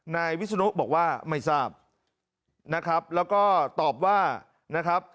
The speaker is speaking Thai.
นายวิศนุบอกว่าไม่ทราบนะครับแล้วก็ตอบว่านะครับ